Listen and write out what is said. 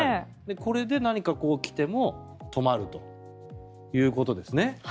これで何か来ても止まるということですね。